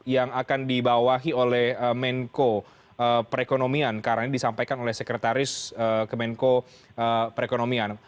yang akan dibawahi oleh menko perekonomian karena ini disampaikan oleh sekretaris kemenko perekonomian